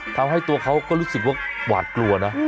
ทำให้ตัวเขาก็รู้สึกว่าหวาดกลัวนะ